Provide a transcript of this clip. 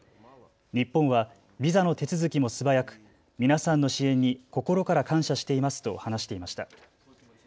日本はビザの手続きも素早く皆さんの支援に心から感謝していますと話していました。